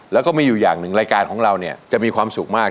แล้วก็มีอยู่อย่างหนึ่งรายการของเราเนี่ยจะมีความสุขมาก